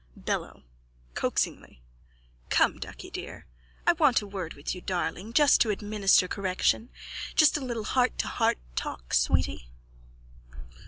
BELLO: (Coaxingly.) Come, ducky dear, I want a word with you, darling, just to administer correction. Just a little heart to heart talk, sweety.